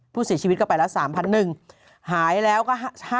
ผู้เสียชีวิตก็ไปแล้ว๓๐๐๐หนึ่งหายแล้วก็๕๐๐๐๐